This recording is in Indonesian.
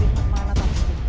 petiknya kemana tapui